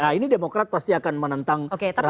nah ini demokrat pasti akan menentang terhadap mereka